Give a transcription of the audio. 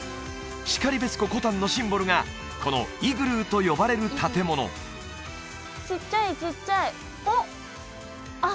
然別湖コタンのシンボルがこのイグルーと呼ばれる建物ちっちゃいちっちゃいおっ